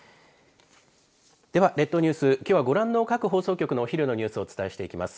では、列島ニュースきょうはご覧の各放送局のお昼のニュースをお伝えしていきます。